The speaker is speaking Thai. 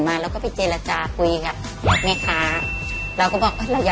ทุกอย่างน้ำปรุงเขาสอนเสร็จ